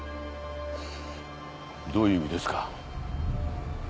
どういう意味ですか？